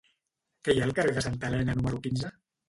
Què hi ha al carrer de Santa Elena número quinze?